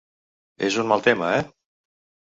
És un mal tema, eh?